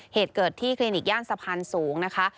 เหตุเกิดที่คลินิกย่านสะพานสูงนะคะ